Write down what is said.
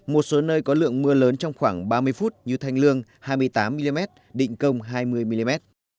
một số nơi có lượng mưa lớn trong khoảng ba mươi phút như thanh lương hai mươi tám mm định công hai mươi mm